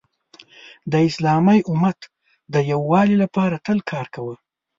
د اسلامی امت د یووالي لپاره تل کار کوه .